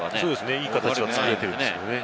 いい形を作れているんですよね。